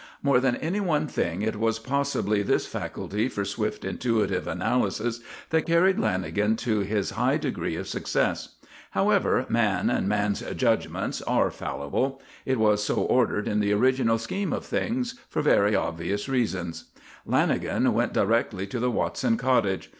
More than any one thing, it was possibly this faculty for swift intuitive analysis that carried Lanagan to his high degree of success. However, man and man's judgments are fallible; it was so ordered in the original scheme of things, for very obvious reasons. Lanagan went directly to the Watson cottage.